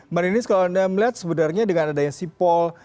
marinis kalau anda melihat sebenarnya dengan adanya sipol